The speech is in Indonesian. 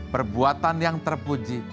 perbuatan yang terpuji